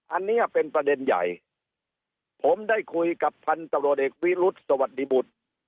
อันเนี่ยเป็นประเด็นใหญ่ผมได้คุยกับท่านตรวจเอกวิรุฑสวรรค์ดิบุตร